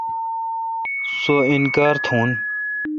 سو انکار تھون۔